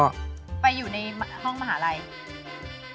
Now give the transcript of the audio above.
ก็ไปอยู่ในห้องมหาลัย